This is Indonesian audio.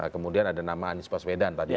kemudian ada nama anies paswedan